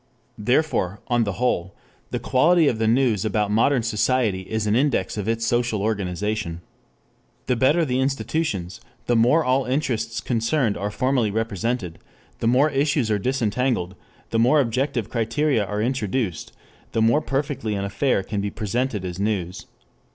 Therefore, on the whole, the quality of the news about modern society is an index of its social organization. The better the institutions, the more all interests concerned are formally represented, the more issues are disentangled, the more objective criteria are introduced, the more perfectly an affair can be presented as news.